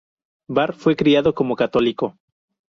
Barr fue criado como católico.